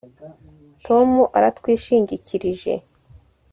tom aratwishingikirije